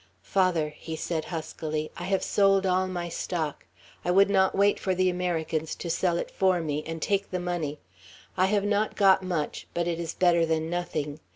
"Father," he said huskily. "I have sold all my stock. I would not wait for the Americans to sell it for me, and take the money. I have not got much, but it is better than nothing.